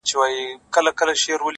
o نورو ته مي شا کړې ده تاته مخامخ یمه،